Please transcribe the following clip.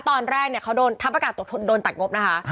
ตอนแรกเนี่ยเขาโดนทัพอากาศโดนตัดงบนะคะ